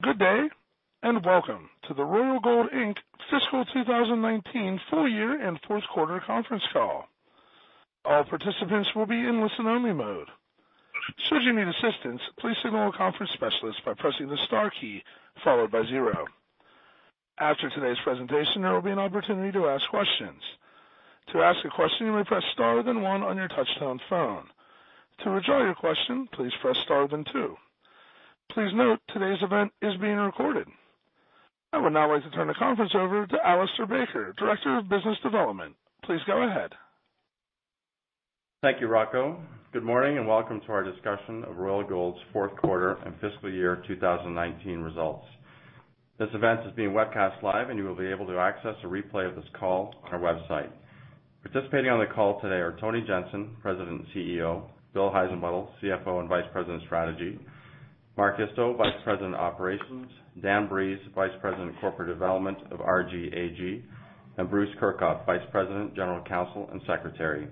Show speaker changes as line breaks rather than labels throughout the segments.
Good day, and welcome to the Royal Gold, Inc fiscal 2019 full year and fourth quarter conference call. All participants will be in listen only mode. Should you need assistance, please signal a conference specialist by pressing the star key followed by zero. After today's presentation, there will be an opportunity to ask questions. To ask a question, you may press star then one on your touchtone phone. To withdraw your question, please press star then two. Please note, today's event is being recorded. I would now like to turn the conference over to Alistair Baker, Director of Business Development. Please go ahead.
Thank you, Rocco. Good morning, and welcome to our discussion of Royal Gold's fourth quarter and fiscal year 2019 results. This event is being webcast live. You will be able to access a replay of this call on our website. Participating on the call today are Tony Jensen, President and CEO, Bill Heissenbuttel, CFO and Vice President of Strategy, Mark Isto, Vice President of Operations, Dan Breeze, Vice President of Corporate Development of RGLD Gold AG, and Bruce Kirchhoff, Vice President, General Counsel and Secretary.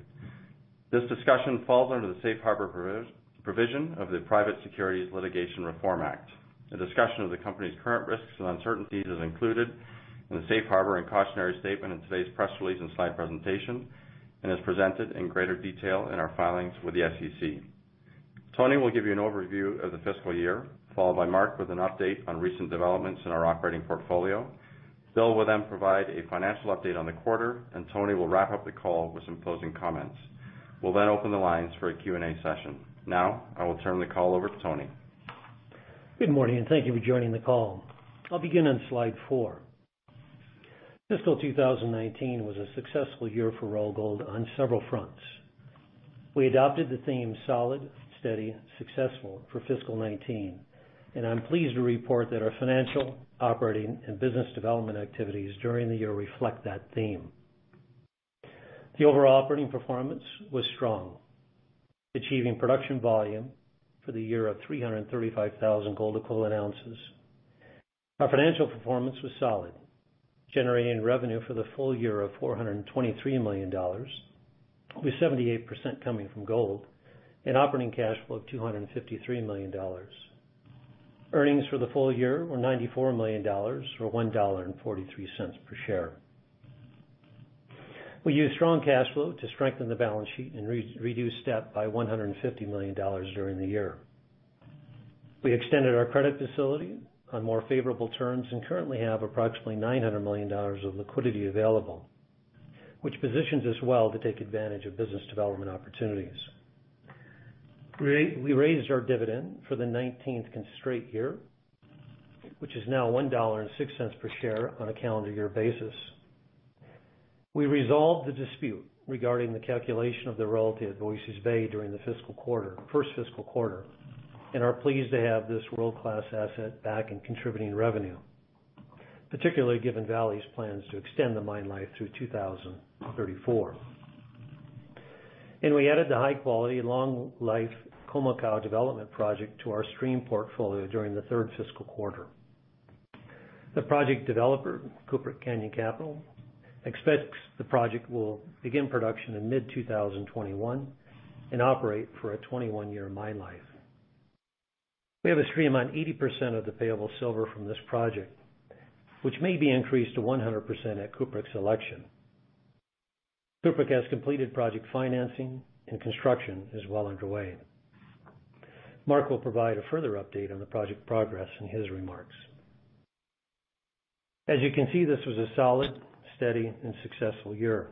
This discussion falls under the safe harbor provision of the Private Securities Litigation Reform Act. A discussion of the company's current risks and uncertainties is included in the safe harbor and cautionary statement in today's press release and slide presentation, and is presented in greater detail in our filings with the SEC. Tony will give you an overview of the fiscal year, followed by Mark with an update on recent developments in our operating portfolio. Bill will then provide a financial update on the quarter, and Tony will wrap up the call with some closing comments. We'll then open the lines for a Q&A session. I will turn the call over to Tony.
Good morning, Thank you for joining the call. I'll begin on slide four. Fiscal 2019 was a successful year for Royal Gold on several fronts. We adopted the theme solid, steady, successful for fiscal 2019, and I'm pleased to report that our financial, operating, and business development activities during the year reflect that theme. The overall operating performance was strong, achieving production volume for the year of 335,000 gold equivalent ounces. Our financial performance was solid, generating revenue for the full year of $423 million, with 78% coming from gold and operating cash flow of $253 million. Earnings for the full year were $94 million, or $1.43 per share. We used strong cash flow to strengthen the balance sheet and reduce debt by $150 million during the year. We extended our credit facility on more favorable terms and currently have approximately $900 million of liquidity available, which positions us well to take advantage of business development opportunities. We raised our dividend for the 19th straight year, which is now $1.06 per share on a calendar year basis. We resolved the dispute regarding the calculation of the royalty at Voisey's Bay during the first fiscal quarter, and are pleased to have this world-class asset back and contributing revenue, particularly given Vale's plans to extend the mine life through 2034. We added the high quality, long life Khoemacau development project to our stream portfolio during the third fiscal quarter. The project developer, Cupric Canyon Capital, expects the project will begin production in mid-2021 and operate for a 21-year mine life. We have a stream on 80% of the payable silver from this project, which may be increased to 100% at Cupric's election. Cupric has completed project financing and construction is well underway. Mark will provide a further update on the project progress in his remarks. As you can see, this was a solid, steady, and successful year.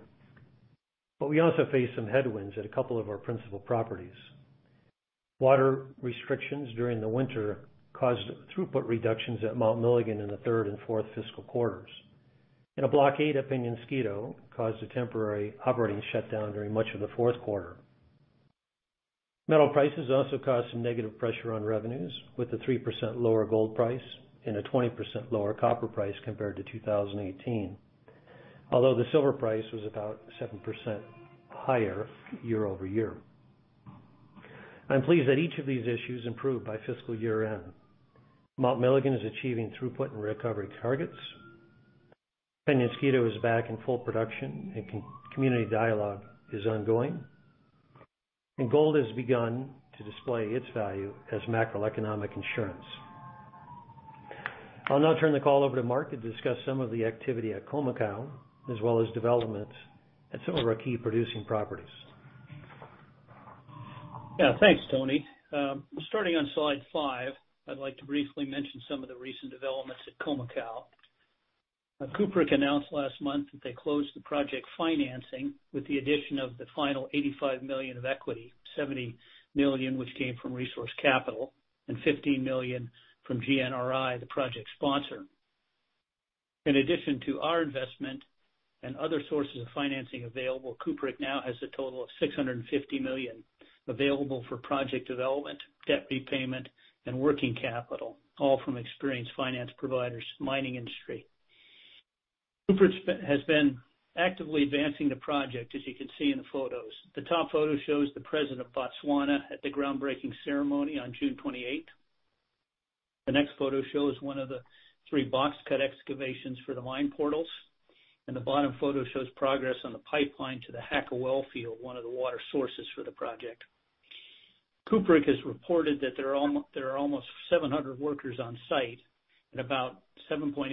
We also faced some headwinds at a couple of our principal properties. Water restrictions during the winter caused throughput reductions at Mount Milligan in the third and fourth fiscal quarters. A blockade at Peñasquito caused a temporary operating shutdown during much of the fourth quarter. Metal prices also caused some negative pressure on revenues with a 3% lower gold price and a 20% lower copper price compared to 2018. Although the silver price was about 7% higher year-over-year. I'm pleased that each of these issues improved by fiscal year end. Mount Milligan is achieving throughput and recovery targets. Peñasquito is back in full production and community dialogue is ongoing. Gold has begun to display its value as macroeconomic insurance. I'll now turn the call over to Mark to discuss some of the activity at Khoemacau, as well as developments at some of our key producing properties.
Yeah. Thanks, Tony. Starting on slide five, I'd like to briefly mention some of the recent developments at Khoemacau. Cupric announced last month that they closed the project financing with the addition of the final $85 million of equity, $70 million which came from Resource Capital, and $15 million from GNRI, the project sponsor. In addition to our investment and other sources of financing available, Cupric now has a total of $650 million available for project development, debt repayment, and working capital, all from experienced finance providers, mining industry. Cupric has been actively advancing the project as you can see in the photos. The top photo shows the President of Botswana at the groundbreaking ceremony on June 28th. The next photo shows one of the three box cut excavations for the mine portals. The bottom photo shows progress on the pipeline to the Haka Wellfield, one of the water sources for the project. Cupric has reported that there are almost 700 workers on site and about 7.8%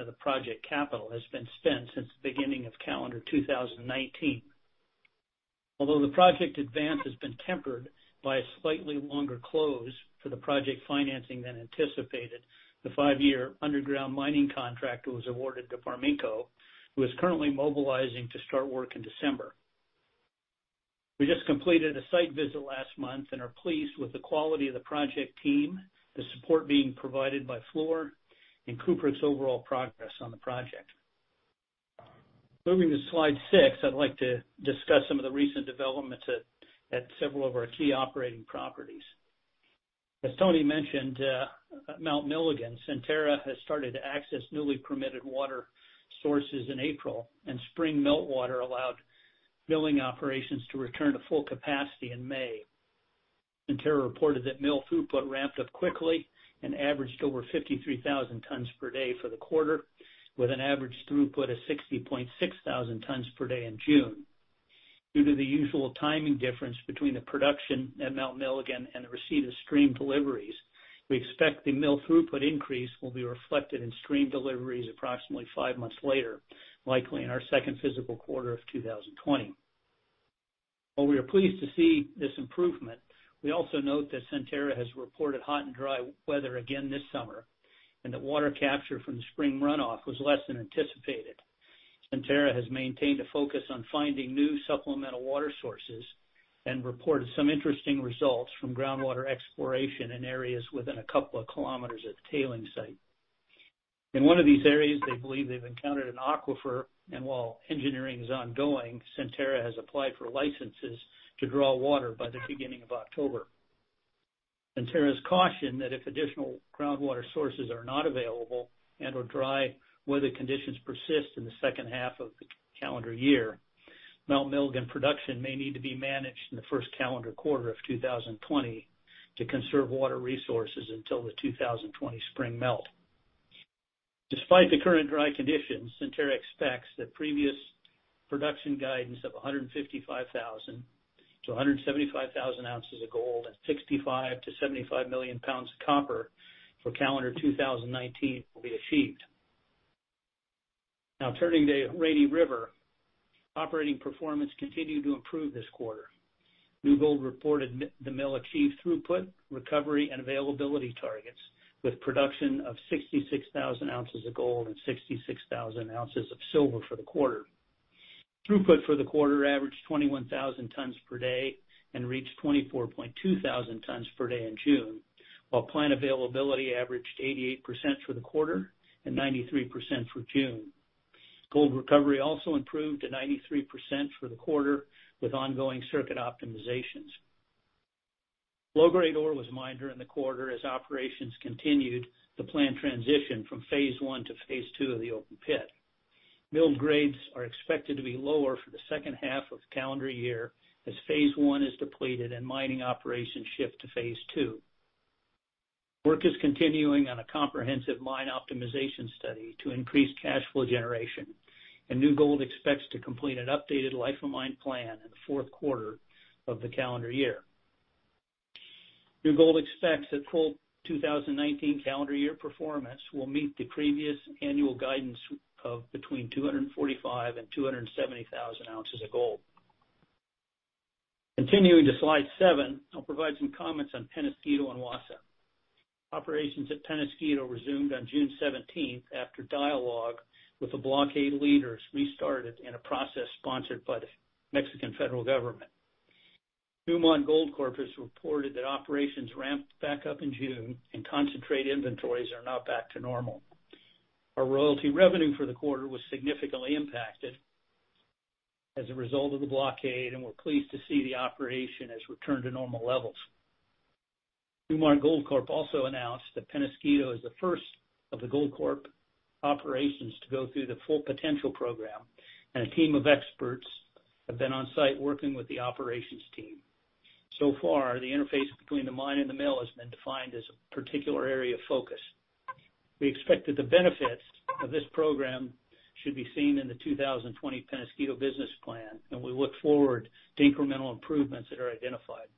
of the project capital has been spent since the beginning of calendar 2019. Although the project advance has been tempered by a slightly longer close for the project financing than anticipated, the five-year underground mining contract was awarded to Barminco, who is currently mobilizing to start work in December. We just completed a site visit last month and are pleased with the quality of the project team, the support being provided by Fluor, and Cupric's overall progress on the project. Moving to slide six, I'd like to discuss some of the recent developments at several of our key operating properties. As Tony mentioned, at Mount Milligan, Centerra has started to access newly permitted water sources in April, and spring meltwater allowed milling operations to return to full capacity in May. Centerra reported that mill throughput ramped up quickly and averaged over 53,000 tons per day for the quarter, with an average throughput of 60,600 tons per day in June. Due to the usual timing difference between the production at Mount Milligan and the receipt of stream deliveries, we expect the mill throughput increase will be reflected in stream deliveries approximately five months later, likely in our second fiscal quarter of 2020. While we are pleased to see this improvement, we also note that Centerra has reported hot and dry weather again this summer, and that water capture from the spring runoff was less than anticipated. Centerra has maintained a focus on finding new supplemental water sources and reported some interesting results from groundwater exploration in areas within a couple of kilometers of the tailing site. In one of these areas, they believe they've encountered an aquifer, and while engineering is ongoing, Centerra has applied for licenses to draw water by the beginning of October. Centerra's cautioned that if additional groundwater sources are not available and/or dry weather conditions persist in the second half of the calendar year, Mount Milligan production may need to be managed in the first calendar quarter of 2020 to conserve water resources until the 2020 spring melt. Despite the current dry conditions, Centerra expects that previous production guidance of 155,000 ounces of gold-175,000 ounces of gold and 65 million pounds of copper-75 million pounds of copper for calendar 2019 will be achieved. Turning to Rainy River, operating performance continued to improve this quarter. New Gold reported the mill achieved throughput, recovery, and availability targets with production of 66,000 ounces of gold and 66,000 ounces of silver for the quarter. Throughput for the quarter averaged 21,000 tons per day and reached 24.2 thousand tons per day in June, while plant availability averaged 88% for the quarter and 93% for June. Gold recovery also improved to 93% for the quarter with ongoing circuit optimizations. Low-grade ore was mined during the quarter as operations continued the plant transition from phase one to phase two of the open pit. Mill grades are expected to be lower for the second half of the calendar year as phase one is depleted and mining operations shift to phase two. Work is continuing on a comprehensive mine optimization study to increase cash flow generation. New Gold expects to complete an updated life of mine plan in the fourth quarter of the calendar year. New Gold expects that full 2019 calendar year performance will meet the previous annual guidance of between 245,000 and 270,000 ounces of gold. Continuing to slide seven, I'll provide some comments on Penasquito and Wassa. Operations at Penasquito resumed on June 17th after dialogue with the blockade leaders restarted in a process sponsored by the Mexican federal government. Newmont Goldcorp has reported that operations ramped back up in June and concentrate inventories are now back to normal. Our royalty revenue for the quarter was significantly impacted as a result of the blockade. We're pleased to see the operation has returned to normal levels. Newmont Goldcorp also announced that Penasquito is the first of the Goldcorp operations to go through the Full Potential program, a team of experts have been on site working with the operations team. So far, the interface between the mine and the mill has been defined as a particular area of focus. We expect that the benefits of this program should be seen in the 2020 Penasquito business plan, we look forward to incremental improvements that are identified.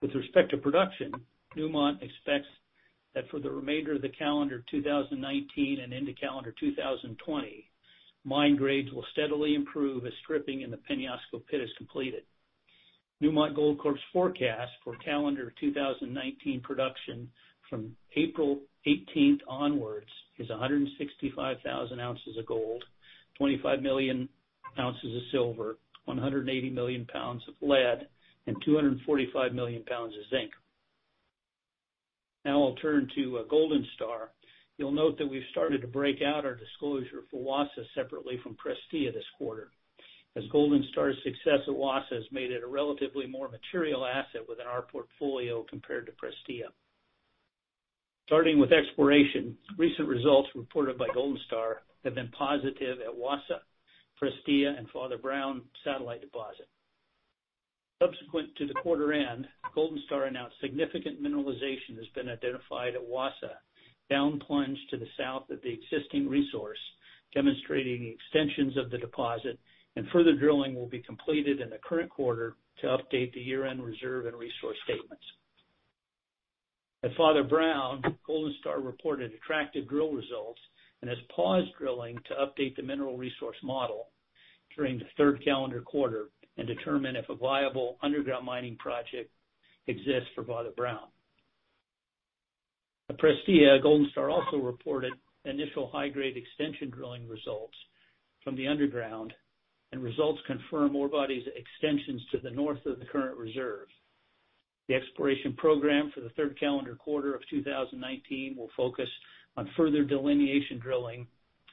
With respect to production, Newmont expects that for the remainder of the calendar 2019 and into calendar 2020, mine grades will steadily improve as stripping in the Penasquito pit is completed. Newmont Goldcorp's forecast for calendar 2019 production from April 18th onwards is 165,000 ounces of gold, 25 million ounces of silver, 180 million pounds of lead, and 245 million pounds of zinc. I'll turn to Golden Star. You'll note that we've started to break out our disclosure for Wassa separately from Prestea this quarter, as Golden Star's success at Wassa has made it a relatively more material asset within our portfolio compared to Prestea. Starting with exploration, recent results reported by Golden Star have been positive at Wassa, Prestea, and Father Brown Satellite Deposit. Subsequent to the quarter-end, Golden Star announced significant mineralization has been identified at Wassa, down plunge to the south of the existing resource, demonstrating the extensions of the deposit, and further drilling will be completed in the current quarter to update the year-end reserve and resource statements. At Father Brown, Golden Star reported attractive drill results and has paused drilling to update the mineral resource model during the third calendar quarter and determine if a viable underground mining project exists for Father Brown. At Prestea, Golden Star also reported initial high-grade extension drilling results from the underground. Results confirm ore bodies extensions to the north of the current reserve. The exploration program for the third calendar quarter of 2019 will focus on further delineation drilling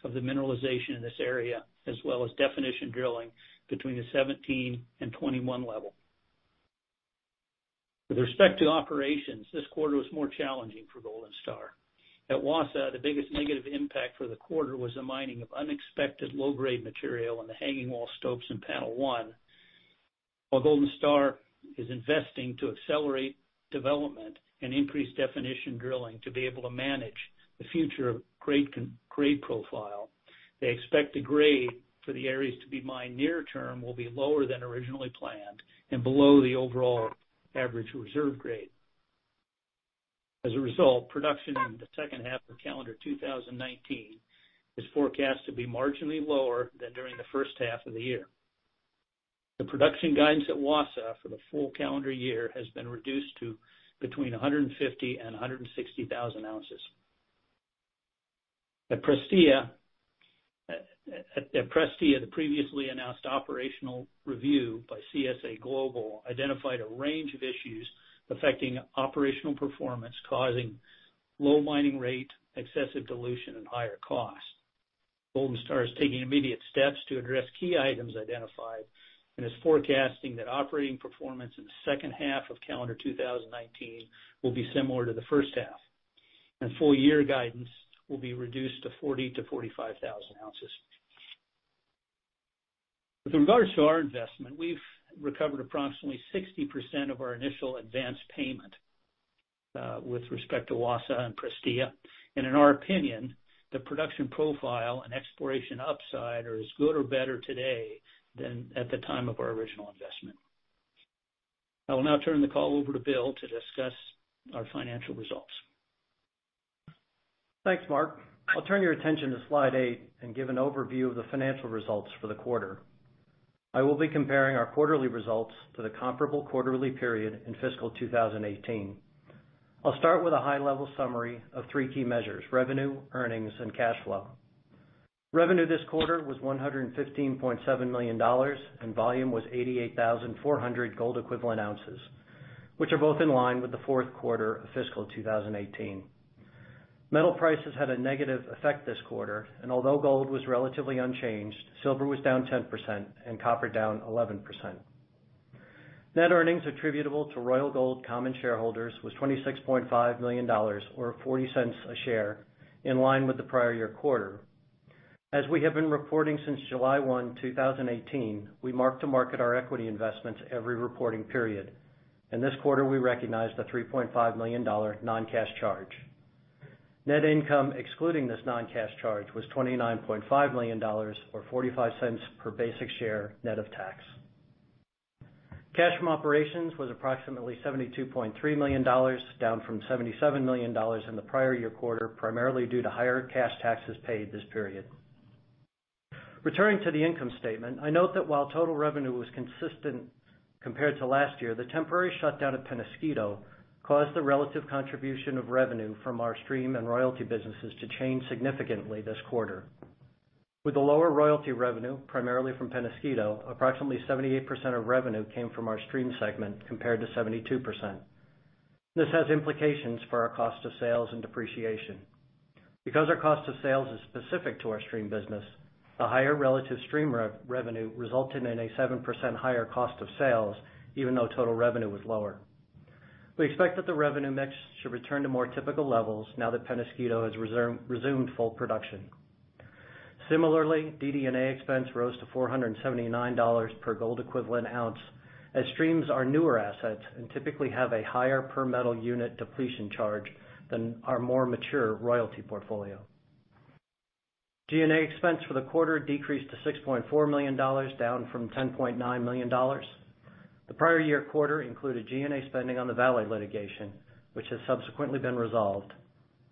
of the mineralization in this area, as well as definition drilling between the 17 and 21 level. With respect to operations, this quarter was more challenging for Golden Star. At Wassa, the biggest negative impact for the quarter was the mining of unexpected low-grade material in the hanging wall stopes in panel 1. While Golden Star is investing to accelerate development and increase definition drilling to be able to manage the future grade profile, they expect the grade for the areas to be mined near term will be lower than originally planned and below the overall average reserve grade. As a result, production in the second half of calendar 2019 is forecast to be marginally lower than during the first half of the year. The production guidance at Wassa for the full calendar year has been reduced to between 150,000 and 160,000 ounces. At Prestea, the previously announced operational review by CSA Global identified a range of issues affecting operational performance, causing low mining rate, excessive dilution, and higher cost. Golden Star is taking immediate steps to address key items identified and is forecasting that operating performance in the second half of calendar 2019 will be similar to the first half. Full year guidance will be reduced to 40,000 to 45,000 ounces. With regards to our investment, we've recovered approximately 60% of our initial advanced payment, with respect to Wassa and Prestea. In our opinion, the production profile and exploration upside are as good or better today than at the time of our original investment. I will now turn the call over to Bill to discuss our financial results.
Thanks, Mark. I'll turn your attention to slide eight and give an overview of the financial results for the quarter. I will be comparing our quarterly results to the comparable quarterly period in fiscal 2018. I'll start with a high-level summary of three key measures: revenue, earnings, and cash flow. Revenue this quarter was $115.7 million, and volume was 88,400 gold equivalent ounces, which are both in line with the fourth quarter of fiscal 2018. Metal prices had a negative effect this quarter, and although gold was relatively unchanged, silver was down 10% and copper down 11%. Net earnings attributable to Royal Gold common shareholders was $26.5 million, or $0.40 a share, in line with the prior year quarter. As we have been reporting since July 1, 2018, we mark to market our equity investments every reporting period. In this quarter, we recognized a $3.5 million non-cash charge. Net income excluding this non-cash charge was $29.5 million or $0.45 per basic share, net of tax. Cash from operations was approximately $72.3 million, down from $77 million in the prior year quarter, primarily due to higher cash taxes paid this period. Returning to the income statement, I note that while total revenue was consistent compared to last year, the temporary shutdown at Penasquito caused the relative contribution of revenue from our stream and royalty businesses to change significantly this quarter. With the lower royalty revenue, primarily from Penasquito, approximately 78% of revenue came from our stream segment compared to 72%. This has implications for our cost of sales and depreciation. Because our cost of sales is specific to our stream business, the higher relative stream revenue resulted in a 7% higher cost of sales, even though total revenue was lower. We expect that the revenue mix should return to more typical levels now that Penasquito has resumed full production. Similarly, DD&A expense rose to $479 per gold equivalent ounce, as streams are newer assets and typically have a higher per metal unit depletion charge than our more mature royalty portfolio. G&A expense for the quarter decreased to $6.4 million, down from $10.9 million. The prior year quarter included G&A spending on the Vale litigation, which has subsequently been resolved,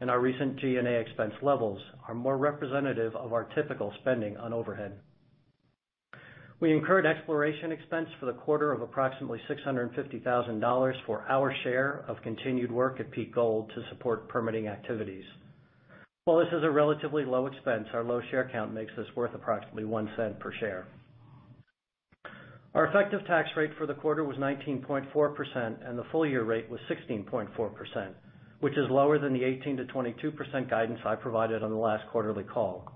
and our recent G&A expense levels are more representative of our typical spending on overhead. We incurred exploration expense for the quarter of approximately $650,000 for our share of continued work at Peak Gold to support permitting activities. While this is a relatively low expense, our low share count makes this worth approximately one cent per share. Our effective tax rate for the quarter was 19.4%, and the full-year rate was 16.4%, which is lower than the 18%-22% guidance I provided on the last quarterly call.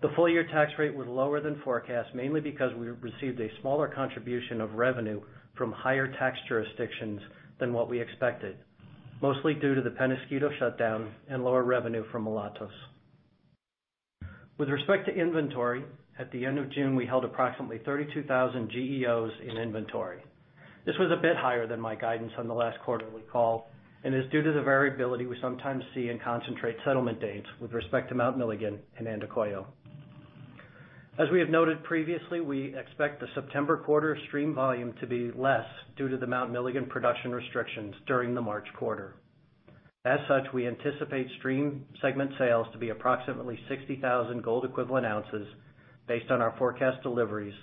The full-year tax rate was lower than forecast, mainly because we received a smaller contribution of revenue from higher tax jurisdictions than what we expected, mostly due to the Penasquito shutdown and lower revenue from Mulatos. With respect to inventory, at the end of June, we held approximately 32,000 GEOs in inventory. This was a bit higher than my guidance on the last quarterly call, and is due to the variability we sometimes see in concentrate settlement dates with respect to Mount Milligan and Andacollo. As we have noted previously, we expect the September quarter stream volume to be less due to the Mount Milligan production restrictions during the March quarter. We anticipate stream segment sales to be approximately 60,000 gold equivalent ounces based on our forecast deliveries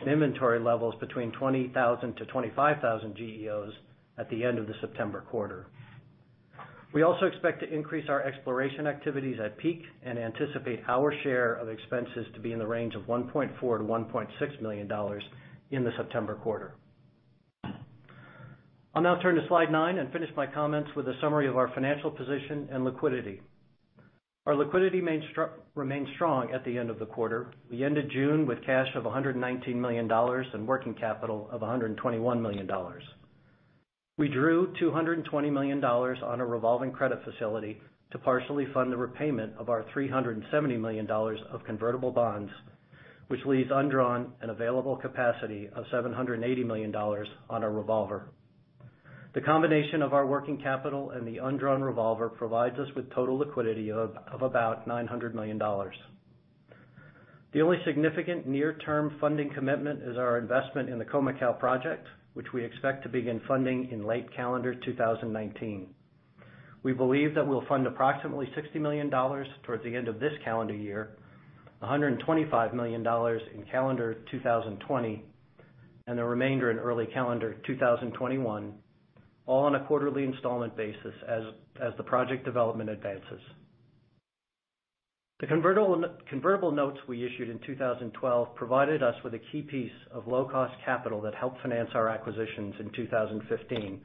and inventory levels between 20,000-25,000 GEOs at the end of the September quarter. We also expect to increase our exploration activities at Peak and anticipate our share of expenses to be in the range of $1.4 to $1.6 million in the September quarter. I'll now turn to slide nine and finish my comments with a summary of our financial position and liquidity. Our liquidity remains strong at the end of the quarter. We ended June with cash of $119 million and working capital of $121 million. We drew $220 million on a revolving credit facility to partially fund the repayment of our $370 million of convertible bonds, which leaves undrawn an available capacity of $780 million on our revolver. The combination of our working capital and the undrawn revolver provides us with total liquidity of about $900 million. The only significant near-term funding commitment is our investment in the Khoemacau project, which we expect to begin funding in late calendar 2019. We believe that we'll fund approximately $60 million towards the end of this calendar year, $125 million in calendar 2020, and the remainder in early calendar 2021, all on a quarterly installment basis as the project development advances. The convertible notes we issued in 2012 provided us with a key piece of low-cost capital that helped finance our acquisitions in 2015,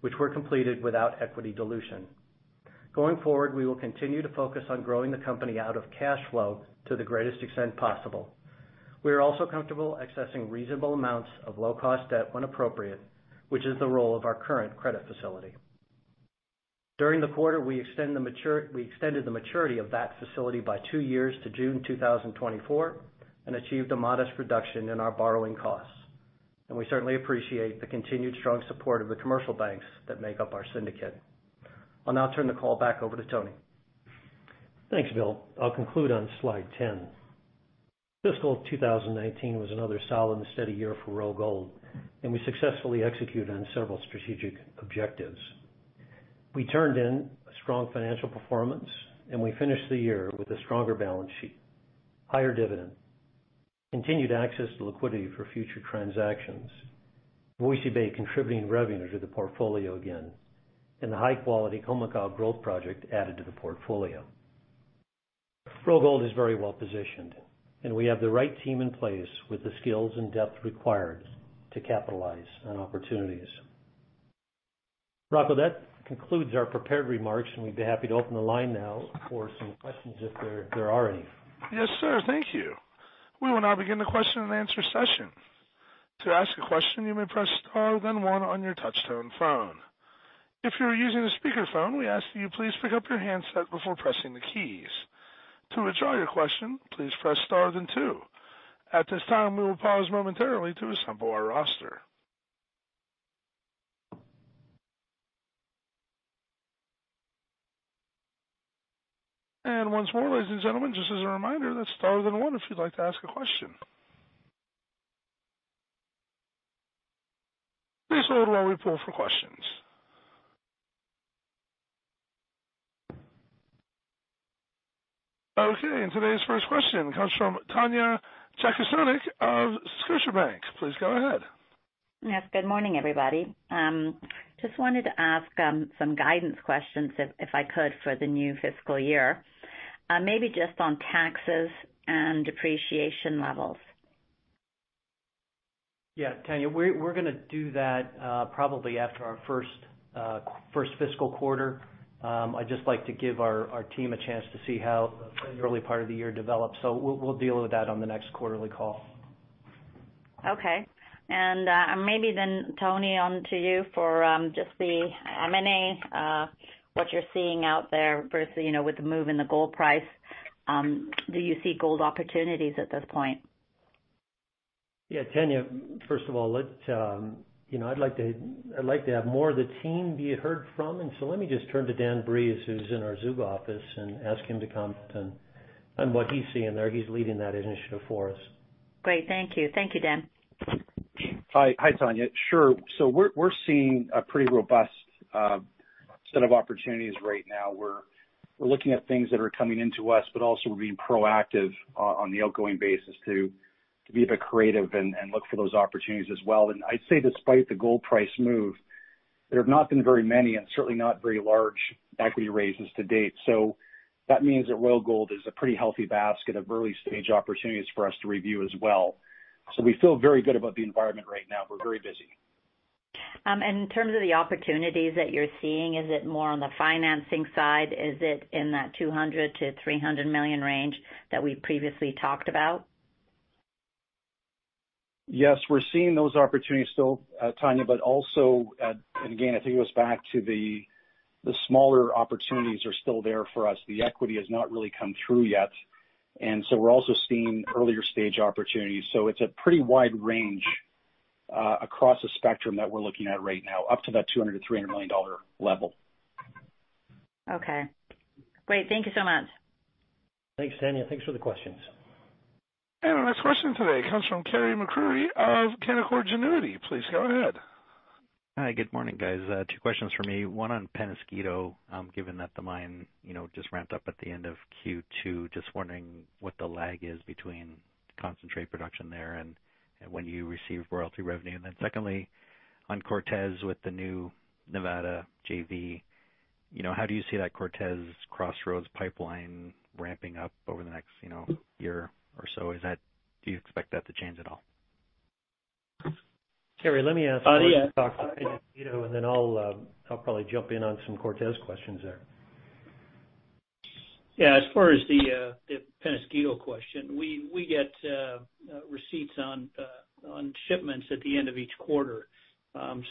which were completed without equity dilution. Going forward, we will continue to focus on growing the company out of cash flow to the greatest extent possible. We are also comfortable accessing reasonable amounts of low-cost debt when appropriate, which is the role of our current credit facility. During the quarter, we extended the maturity of that facility by two years to June 2024 and achieved a modest reduction in our borrowing costs. We certainly appreciate the continued strong support of the commercial banks that make up our syndicate. I'll now turn the call back over to Tony.
Thanks, Bill. I'll conclude on slide 10. Fiscal 2019 was another solid and steady year for Royal Gold, and we successfully executed on several strategic objectives. We turned in a strong financial performance, and we finished the year with a stronger balance sheet, higher dividend, continued access to liquidity for future transactions, Voisey's Bay contributing revenue to the portfolio again, and the high-quality Comical growth project added to the portfolio. Royal Gold is very well-positioned, and we have the right team in place with the skills and depth required to capitalize on opportunities. Rocco, that concludes our prepared remarks, and we'd be happy to open the line now for some questions if there are any.
Yes, sir. Thank you. We will now begin the question and answer session. To ask a question, you may press star then one on your touchtone phone. If you are using a speakerphone, we ask that you please pick up your handset before pressing the keys. To withdraw your question, please press star then two. At this time, we will pause momentarily to assemble our roster. Once more, ladies and gentlemen, just as a reminder, that's star then one if you'd like to ask a question. Please hold while we pull for questions. Okay, and today's first question comes from Tanya Jakusconek of Scotiabank. Please go ahead.
Yes, good morning, everybody. Just wanted to ask some guidance questions, if I could, for the new fiscal year. Maybe just on taxes and depreciation levels.
Yeah, Tanya, we're going to do that probably after our first fiscal quarter. I'd just like to give our team a chance to see how the early part of the year develops. We'll deal with that on the next quarterly call.
Okay. maybe then, Tony, onto you for just the M&A, what you're seeing out there versus with the move in the gold price. Do you see gold opportunities at this point?
Yeah, Tanya, first of all, I'd like to have more of the team be heard from. Let me just turn to Daniel Breeze, who's in our Zug office, and ask him to come on what he's seeing there. He's leading that initiative for us.
Great. Thank you. Thank you, Dan.
Hi, Tanya. Sure. We're seeing a pretty robust set of opportunities right now. We're looking at things that are coming into us, but also we're being proactive on the outgoing basis to be a bit creative and look for those opportunities as well. I'd say despite the gold price move, there have not been very many and certainly not very large equity raises to date. That means that Royal Gold is a pretty healthy basket of early-stage opportunities for us to review as well. We feel very good about the environment right now. We're very busy.
In terms of the opportunities that you're seeing, is it more on the financing side? Is it in that $200-$300 million range that we previously talked about?
Yes, we're seeing those opportunities still, Tanya. Also, again, I think it goes back to the smaller opportunities are still there for us. The equity has not really come through yet, and so we're also seeing earlier stage opportunities. It's a pretty wide range, across the spectrum that we're looking at right now, up to that $200-$300 million level.
Okay. Great. Thank you so much.
Thanks, Tanya. Thanks for the questions.
Our next question today comes from Carey MacRury of Canaccord Genuity. Please go ahead.
Hi. Good morning, guys. Two questions for me, one on Peñasquito, given that the mine just ramped up at the end of Q2, just wondering what the lag is between concentrate production there and when you receive royalty revenue. Secondly, on Cortez with the new Nevada JV, how do you see that Cortez Crossroads pipeline ramping up over the next year or so? Do you expect that to change at all?
Carey, let me ask Mark to talk about Peñasquito, and then I'll probably jump in on some Cortez questions there.
Yeah. As far as the Penasquito question, we get receipts on shipments at the end of each quarter. That's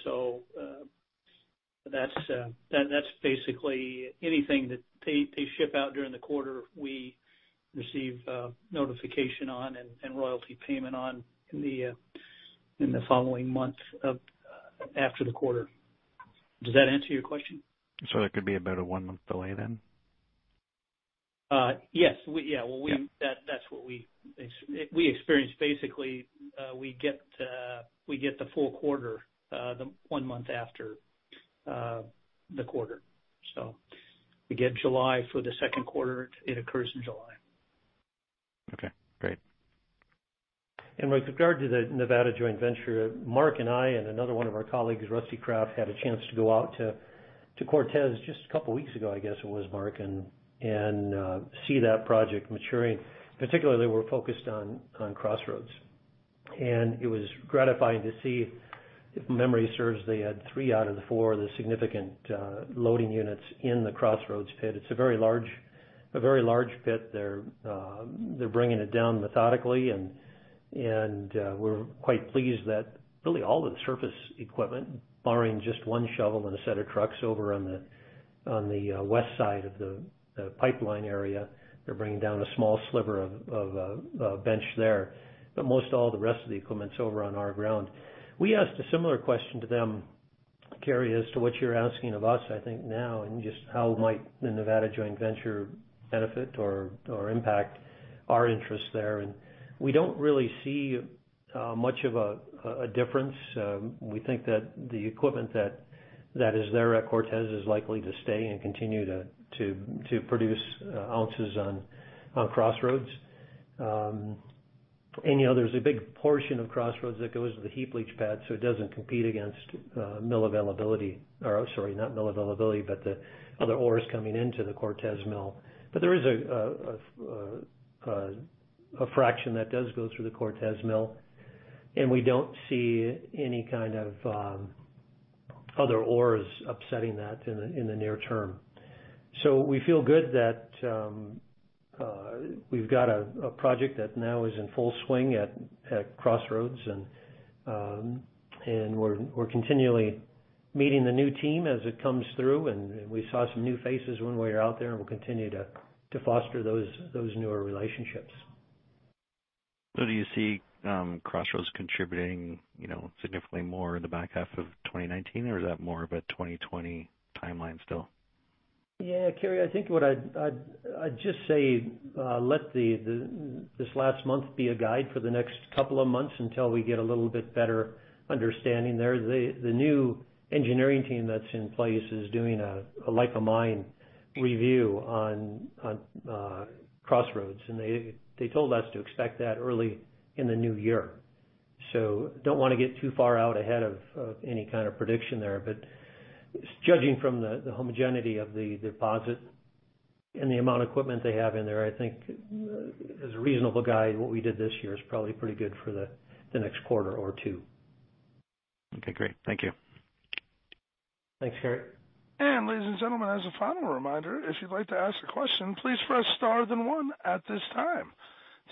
basically anything that they ship out during the quarter, we receive notification on and royalty payment on in the following month after the quarter. Does that answer your question?
There could be about a one-month delay then?
Yes. We-
Yeah.
That's what we experience. Basically, we get the full quarter the one month after the quarter. We get July for the second quarter, it occurs in July.
Okay, great.
with regard to the Nevada joint venture, Mark and I and another one of our colleagues, Rusty Kraft, had a chance to go out to Cortez just a couple of weeks ago, I guess it was Mark, and see that project maturing. Particularly, we're focused on Crossroads. It was gratifying to see, if memory serves, they had three out of the four of the significant loading units in the Crossroads pit. It's a very large pit. They're bringing it down methodically, and we're quite pleased that really all the surface equipment, barring just one shovel and a set of trucks over on the west side of the pipeline area, they're bringing down a small sliver of a bench there. Most all the rest of the equipment's over on our ground. We asked a similar question to them, Carey, as to what you're asking of us, I think now, in just how might the Nevada joint venture benefit or impact our interests there, and we don't really see much of a difference. We think that the equipment that is there at Cortez is likely to stay and continue to produce ounces on Crossroads. There's a big portion of Crossroads that goes to the heap leach pad, so it doesn't compete against mill availability. Sorry, not mill availability, but the other ores coming into the Cortez Mill. There is a fraction that does go through the Cortez Mill, and we don't see any kind of other ores upsetting that in the near term. we feel good that we've got a project that now is in full swing at Crossroads, and we're continually meeting the new team as it comes through, and we saw some new faces when we were out there, and we'll continue to foster those newer relationships.
Do you see Crossroads contributing significantly more in the back half of 2019, or is that more of a 2020 timeline still?
Yeah, Carey. I think what I'd just say, let this last month be a guide for the next couple of months until we get a little bit better understanding there. The new engineering team that's in place is doing a life of mine review on Crossroads, and they told us to expect that early in the new year. don't want to get too far out ahead of any kind of prediction there. judging from the homogeneity of the deposit and the amount of equipment they have in there, I think as a reasonable guide, what we did this year is probably pretty good for the next quarter or two.
Okay, great. Thank you.
Thanks, Carey.
Ladies and gentlemen, as a final reminder, if you'd like to ask a question, please press star then one at this time.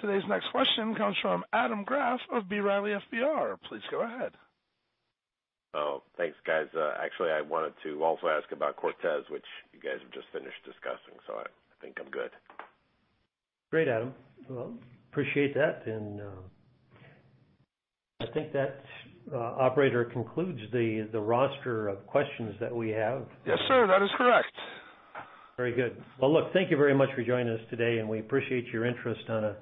Today's next question comes from Adam Graf of B. Riley FBR. Please go ahead.
Oh, thanks, guys. Actually, I wanted to also ask about Cortez, which you guys have just finished discussing, so I think I'm good.
Great, Adam. Well, appreciate that. I think that, Operator, concludes the roster of questions that we have.
Yes, sir. That is correct.
Very good. Well, look, thank you very much for joining us today, and we appreciate your interest on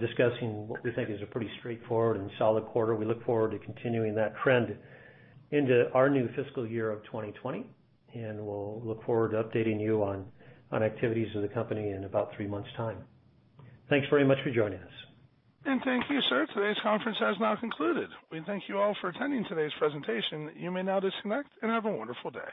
discussing what we think is a pretty straightforward and solid quarter. We look forward to continuing that trend into our new fiscal year of 2020, and we'll look forward to updating you on activities of the company in about three months' time. Thanks very much for joining us.
Thank you, sir. Today's conference has now concluded. We thank you all for attending today's presentation. You may now disconnect, and have a wonderful day.